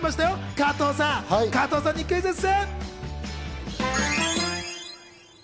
加藤さんにクイズッス！